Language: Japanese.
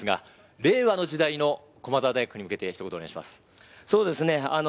令和の時代の駒澤大学に向けてお願いします。